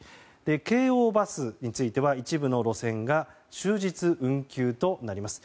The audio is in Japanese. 京王バスについては一部の路線が終日運休となります。